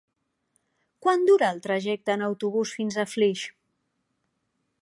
Quant dura el trajecte en autobús fins a Flix?